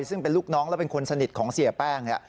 ซึ่งเป็นลูกน้องและเป็นคนสนิทของเสียแป้งเนี่ย